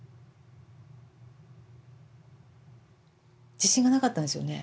自信がなかったんですよね